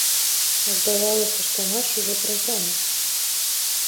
Здавалася, што матч ужо прайграны.